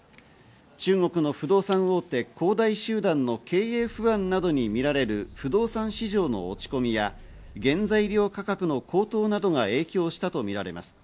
中国の不動産大手、恒大集団の経営不安などに見られる不動産市場の落ち込みや、原材料価格の高騰などが影響したとみられます。